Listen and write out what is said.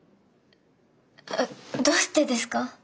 どうしてですか？